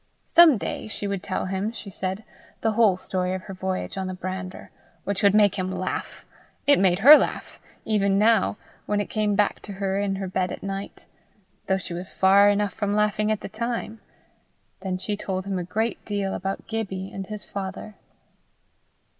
Some day she would tell him, she said, the whole story of her voyage on the brander, which would make him laugh; it made her laugh, even now, when it came back to her in her bed at night, though she was far enough from laughing at the time. Then she told him a great deal about Gibbie and his father.